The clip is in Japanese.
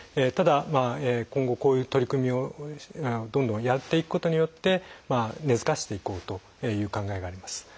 ただ今後こういう取り組みをどんどんやっていくことによって根づかせていこうという考えがあります。